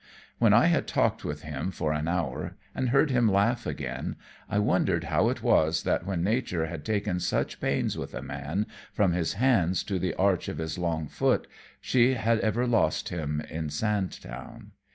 When I had talked with him for an hour and heard him laugh again, I wondered how it was that when Nature had taken such pains with a man, from his hands to the arch of his long foot, she had ever lost him in Sandtown.